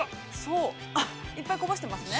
いっぱいこぼしてますね。